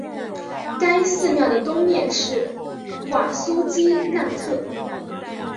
该寺庙的东面是瓦苏基纳特。